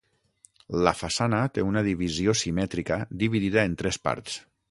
La façana té una divisió simètrica dividida en tres parts.